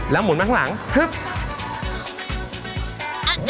แล้วหมุนมาข้างหลัง